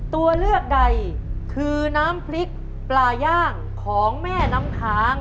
ตัวเลือกใดคือน้ำพริกปลาย่างของแม่น้ำค้าง